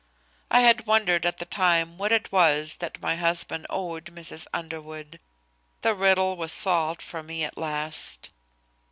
I had wondered at the time what it was that my husband "owed" Mrs. Underwood. The riddle was solved for me at last.